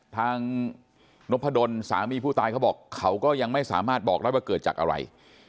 ทางนพดลสามีผู้ตายเขาบอกเขาก็ยังไม่สามารถบอกได้ว่าเกิดจากอะไร